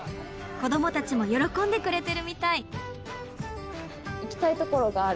子どもたちも喜んでくれてるみたい。